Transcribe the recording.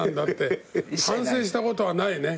反省したことはないね。